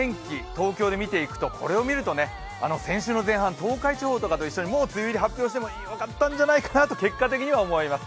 東京で見ていくとこれを見ると先週の前半東海地方とかと一緒にもう梅雨入り発表しても良かったんじゃないかなと結果的には思います。